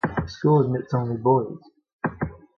The school admits only boys.